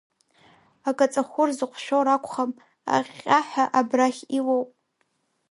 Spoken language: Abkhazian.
Акаҵахәыр зыҟәшәо ракәхап, аҟьҟьа ҳәа абрахь илоуп…